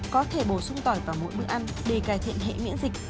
có thể bổ sung tỏi vào mỗi bữa ăn để cải thiện hệ miễn dịch